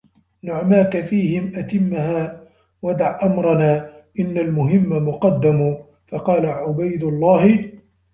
نُعْمَاك فِيهِمْ أَتِمَّهَا وَدَعْ أَمَرْنَا إنَّ الْمُهِمَّ مُقَدَّمُ فَقَالَ عُبَيْدُ اللَّهِ